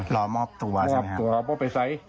รอมอบตัวใช่ไหมครับออบตัวบอกไปใส่